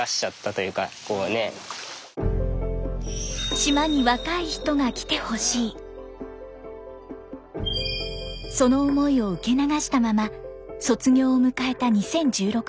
自分もその思いを受け流したまま卒業を迎えた２０１６年。